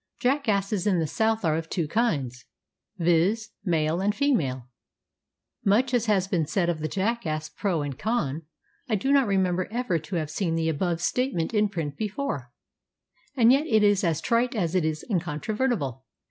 Jackasses in the South are of two kinds, viz., male and female. Much as has been said of the jackass pro and con, I do not remember ever to have seen the above statement in print before, and yet it is as trite as it is incontrovertible.